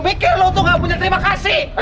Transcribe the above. mikir lu tuh gak punya terima kasih